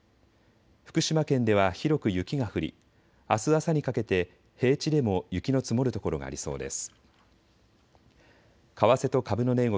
福島県では広く雪が降りあす朝にかけて平地でも雪の積もる所がありそうです。